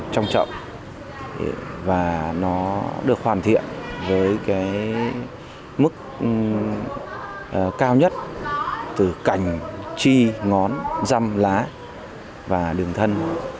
trông trọng và nó được hoàn thiện với mức cao nhất từ cành chi ngón dăm lá và đường thân